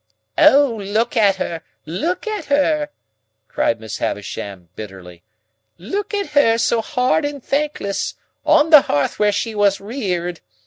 "O, look at her, look at her!" cried Miss Havisham, bitterly; "Look at her so hard and thankless, on the hearth where she was reared!